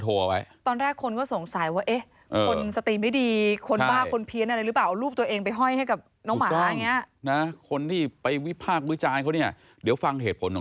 ตอนแรกคนก็สงสัยว่าเอ๊ะคนสติมดีคนบ้าคนเพี้ยนอะไรหรือเปล่า